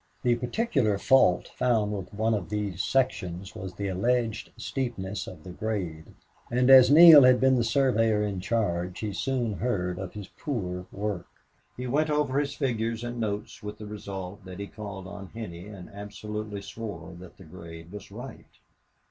The particular fault found with one of these sections was the alleged steepness of the grade, and as Neale had been the surveyor in charge, he soon heard of his poor work. He went over his figures and notes with the result that he called on Henney and absolutely swore that the grade was right.